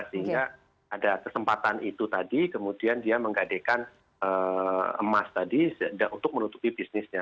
sehingga ada kesempatan itu tadi kemudian dia menggadekan emas tadi untuk menutupi bisnisnya